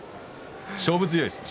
勝負強いですね。